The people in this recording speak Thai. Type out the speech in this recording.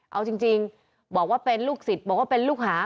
เอาจริงบอกว่าเป็นลูกศิษย์บอกว่าเป็นลูกหา